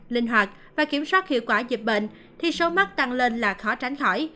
linh hoạt và kiểm soát hiệu quả dịch bệnh thì số mắc tăng lên là khó tránh khỏi